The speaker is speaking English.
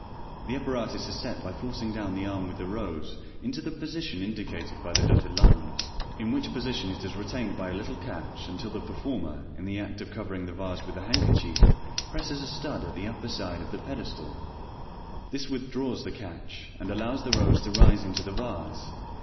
The apparatus is set by forcing down the arm with the rose into the position indicated by the dotted lines, in which position it is retained by a little catch, until the per former, in the act of covering the vase with the handkerchief, presses a stud at the upper side of the pedestal. This withdraws the catch, and allows the rose to rise into the vase.